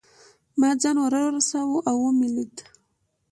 ما هم ځان ورساوه او مې لیده.